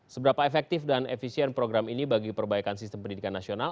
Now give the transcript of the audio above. seberapa efektif dan efisien program ini bagi perbaikan sistem pendidikan nasional